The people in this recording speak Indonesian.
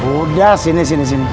udah sini sini sini